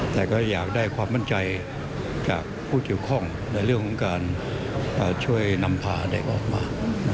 แต่ก็อยากได้ความมั่นใจจากผู้เกี่ยวข้องในเรื่องของการช่วยนำพาเด็กออกมา